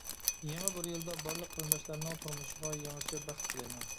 ! يېڭى بىر يىلدا بارلىق قېرىنداشلارنىڭ تۇرمۇشىغا يېڭىچە بەخت تىلەيمەن!